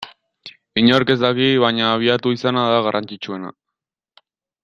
Inork ez daki, baina abiatu izana da garrantzitsuena.